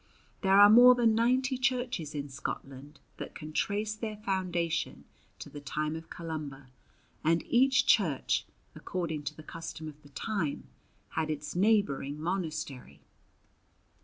There are more than ninety churches in Scotland that can trace their foundation to the time of Columba; and each church, according to the custom of the time, had its neighbouring monastery.